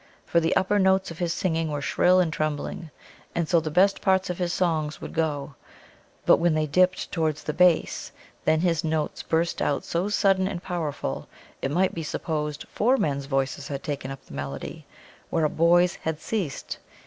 For the upper notes of his singing were shrill and trembling, and so the best part of his songs would go; but when they dipped towards the bass, then his notes burst out so sudden and powerful, it might be supposed four men's voices had taken up the melody where a boy's had ceased.